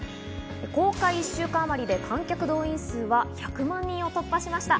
公開１週間あまりで観客動員数は１００万人を突破しました。